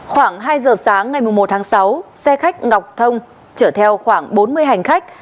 khoảng hai giờ sáng ngày một tháng sáu xe khách ngọc thông chở theo khoảng bốn mươi hành khách